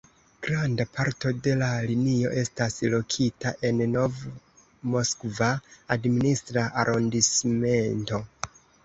Granda parto de la linio estas lokita en Nov-Moskva administra arondismento.